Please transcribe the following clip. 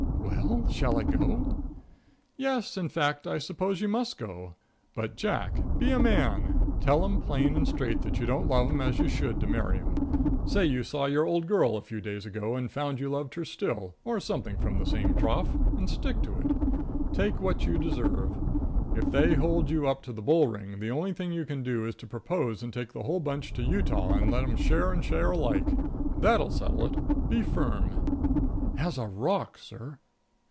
"Well, shall I go?" "Yes, in fact I suppose you must go; but Jack, be a man. Tell 'em plain and straight that you don't love 'em as you should to marry 'em; say you saw your old girl a few days ago and found you loved her still, or something from the same trough, and stick to it. Take what you deserve. If they hold you up to the bull ring, the only thing you can do is to propose to take the whole bunch to Utah, and let 'em share and share alike. That'll settle it. Be firm." "As a rock, sir."